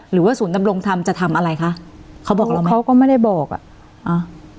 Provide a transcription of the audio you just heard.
หรือว่าศูนย์ดำรงธรรมจะทำอะไรคะเขาบอกแล้วไหมเขาก็ไม่ได้บอกอ่ะ